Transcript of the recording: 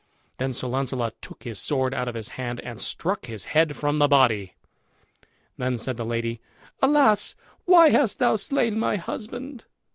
Then Sir Launcelot took his sword out of his hand and struck his head from the body. Then said the lady, "Alas! why hast thou slain my husband?"